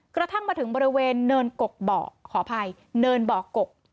กระทั่งมาถึงบริเวณเนินกกเบาะขออภัยเนินบ่อกก